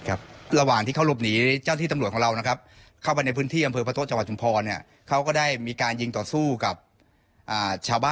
ระหว่างที่เขารบหนีเจ้าที่ตำรวจของเรานะครับ